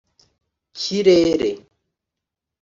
kirere